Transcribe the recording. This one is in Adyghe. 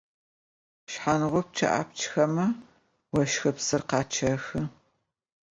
Шъхьангъупчъэ апчхэмэ ощхыпсыр къячъэхы.